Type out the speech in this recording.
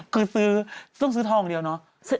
คือต้องซื้อทองเดียวเนาะ